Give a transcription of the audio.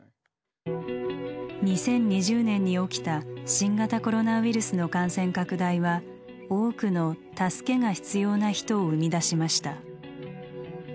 ２０２０年に起きた新型コロナウイルスの感染拡大は多くの「助けが必要な人」を生み出しました。